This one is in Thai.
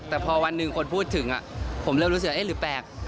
แต่พอวันหนึ่งคนพูดถึงผมเริ่มรู้สึกหรือแปลก